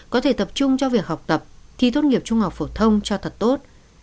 có thể tập trung cho việc học tập thi tốt nghiệp trung học phổ thông cho thật tốt